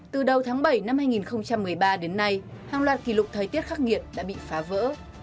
từ đầu tháng bảy năm hai nghìn một mươi ba đến nay hàng loạt kỷ lục thời tiết khắc nghiệt đã bị phá vỡ